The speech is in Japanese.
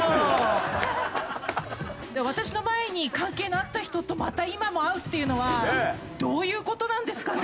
私の前に関係のあった人とまた今も会うっていうのはどういう事なんですかね？